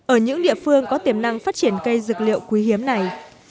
ở những địa phương có tiềm năng phát triển cây dược liệu quý hiếm này